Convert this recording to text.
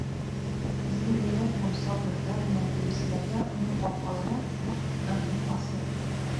Изге ниәт һәм саф выждан менән килеүселәргә уның ҡапҡалары һәр даим асыҡ.